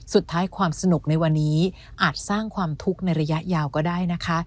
สุดท้ายความสนุกในวันนี้อาจสร้างความทุกข์ในระยะยาวก็ได้นะคะ